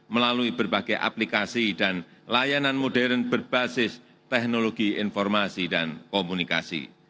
melalui berbagai aplikasi dan layanan modern berbasis teknologi informasi dan komunikasi